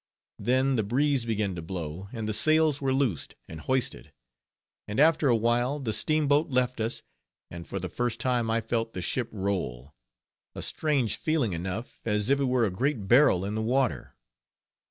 Then the breeze began to blow, and the sails were loosed, and hoisted; and after a while, the steamboat left us, and for the first time I felt the ship roll, a strange feeling enough, as if it were a great barrel in the water.